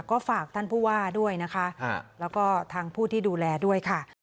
ก็ฝากท่านผู้ว่าด้วยนะคะแล้วก็ทางผู้ที่ดูแลด้วยค่ะ